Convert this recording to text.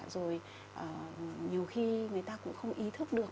rồi nhiều khi người ta cũng không ý thức được